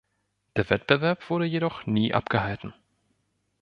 Der Wettbewerb wurde jedoch nie abgehalten.